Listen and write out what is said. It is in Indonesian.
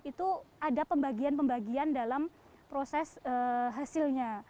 itu ada pembagian pembagian dalam proses hasilnya